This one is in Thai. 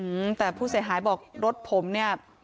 อืมแต่ผู้เสียหายบอกรถผมเนี่ย